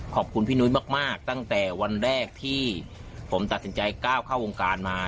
ขอบคุณพี่นุ้ยมากตั้งแต่วันแรกที่ผมตัดสินใจก้าวเข้าวงการมา